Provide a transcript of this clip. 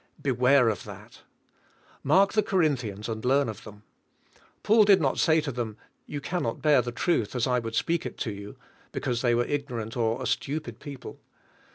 Beware of that. Mark the Cor inthians and learn of them. Paul did not say to them," You can not bear the truth as I would speak it to you," because they were ignorant or a stupid people.